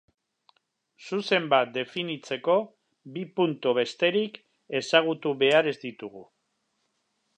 Zuzen bat definitzeko bi puntu besterik ezagutu behar ez ditugu.